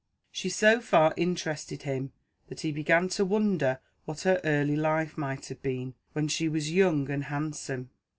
She so far interested him, that he began to wonder what her early life might have been, when she was young and handsome.